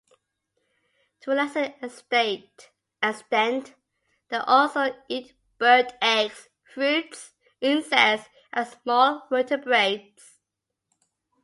To a lesser extent, they also eat bird eggs, fruits, insects, and small vertebrates.